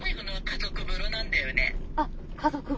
あっ家族風呂。